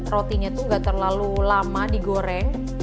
rotinya tuh gak terlalu lama digoreng